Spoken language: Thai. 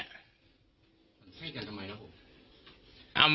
มันไส้กันทำไมนะผม